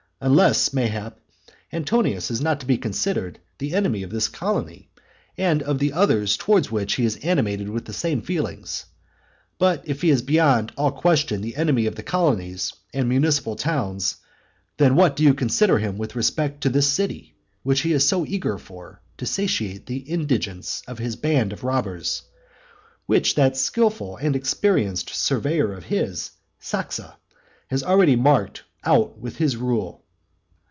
Unless, mayhap, Antonius is not to be considered the enemy of this colony, and of the others towards which he is animated with the same feelings. But if he is beyond all question the enemy of the colonies and municipal towns, then what do you consider him with respect to this city which he is so eager for, to satiate the indigence of his band of robbers? which that skilful and experienced surveyor of his, Saxa, has already marked out with his rule.